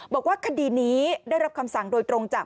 บอกว่าคดีนี้ได้รับคำสั่งโดยตรงจาก